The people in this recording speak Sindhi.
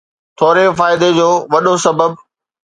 ٿوري فائدي جو وڏو سبب